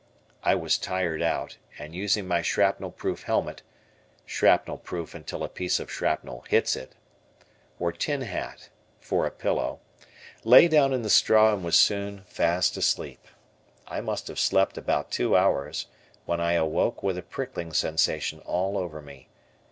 I was tired out, and using my shrapnel proof helmet, (shrapnel proof until a piece of shrapnel hits it), or tin hat, for a pillow, lay down in the straw, and was soon fast asleep. I must have slept about two hours, when I awoke with a prickling sensation all over me.